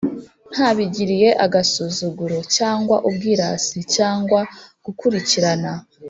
ntabigiriye agasuzuguro cyangwa ubwirasi cyangwa gukurikirana